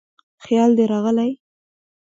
خیال دې راغلی